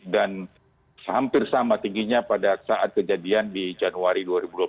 dan hampir sama tingginya pada saat kejadian di januari dua ribu dua puluh satu